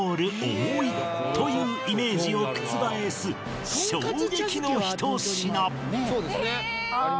重いというイメージを覆す衝撃の一品